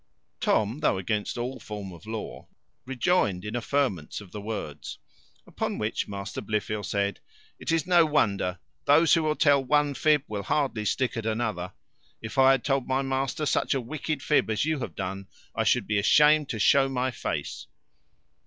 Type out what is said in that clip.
Tom, though against all form of law, rejoined in affirmance of the words. Upon which Master Blifil said, "It is no wonder. Those who will tell one fib, will hardly stick at another. If I had told my master such a wicked fib as you have done, I should be ashamed to show my face."